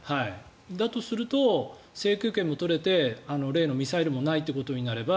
だとすると、制空権も取れて例のミサイルもないということになれば